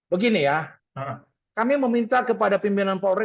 begini ya kami meminta kepada pimpinan polri